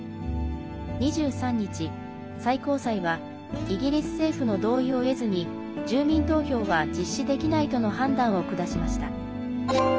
２３日、最高裁はイギリス政府の同意を得ずに住民投票は実施できないとの判断を下しました。